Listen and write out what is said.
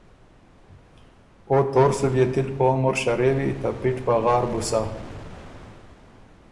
او تور سُو بيې تِل په عمر شرېوی، ته پِټ پغار بُو سَۀ،